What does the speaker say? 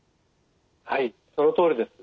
はいそのとおりです。